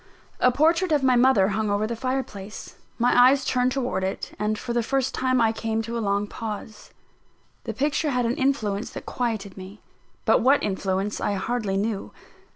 A portrait of my mother hung over the fireplace: my eyes turned towards it, and for the first time I came to a long pause. The picture had an influence that quieted me; but what influence I hardly knew.